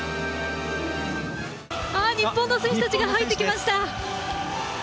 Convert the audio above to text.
あー、日本の選手たちが入ってきました。